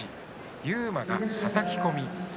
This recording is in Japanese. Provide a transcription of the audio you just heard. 勇磨がはたき込み。